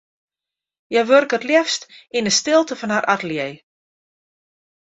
Hja wurke it leafst yn 'e stilte fan har atelier.